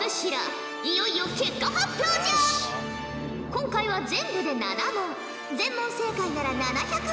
今回は全部で７問全問正解なら７００